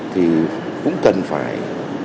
thì cũng cần phải